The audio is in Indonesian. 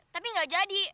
tapi gak jadi